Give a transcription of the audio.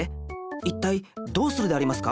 いったいどうするでありますか？